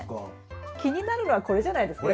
気になるのはこれじゃないですか？